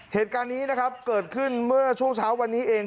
เหตุการณ์นี้นะครับเกิดขึ้นเมื่อช่วงเช้าวันนี้เอง